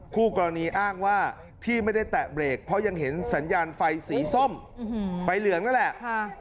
คู่กรณีอ้างว่าที่ไม่ได้แตะเบรกเพราะยังเห็นสัญญาณไฟสีส้มไฟเหลืองนั่นแหละ